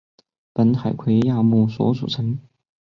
本海葵亚目所组成。